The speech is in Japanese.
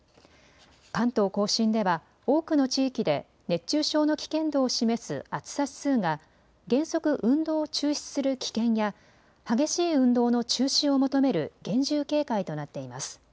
関東甲信では多くの地域で熱中症の危険度を示す暑さ指数が原則、運動を中止する危険や激しい運動の中止を求める厳重警戒となっています。